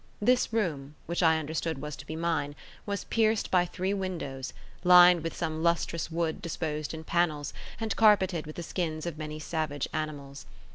This room, which I understood was to be mine, was pierced by three windows, lined with some lustrous wood disposed in panels, and carpeted with the skins of many savage animals.